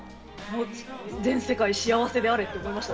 全世界、幸せであれと思いました。